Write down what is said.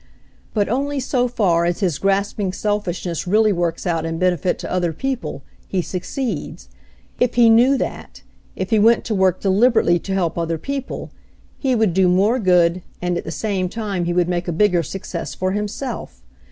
But only so far as his grasping selfishness really works out in benefit to other people he succeeds. If he knew that, if he went to work deliberately to help other people, he would do more good, and at the same time he would make a bigger success for himself.